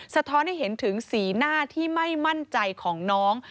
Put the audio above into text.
สะท้อนให้เห็นถึงสีหน้าที่ไม่มั่นใจของน้อง